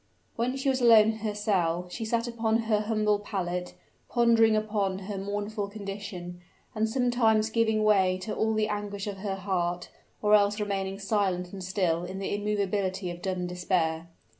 When she was alone in her cell she sat upon her humble pallet, pondering upon her mournful condition, and sometimes giving way to all the anguish of her heart, or else remaining silent and still in the immovability of dumb despair.